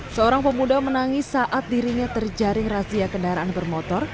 seorang pemuda menangis saat dirinya terjaring razia kendaraan bermotor